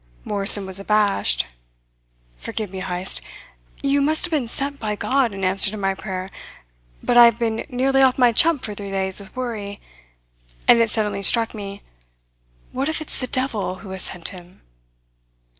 Morrison was abashed. "Forgive me, Heyst. You must have been sent by God in answer to my prayer. But I have been nearly off my chump for three days with worry; and it suddenly struck me: 'What if it's the Devil who has sent him?'"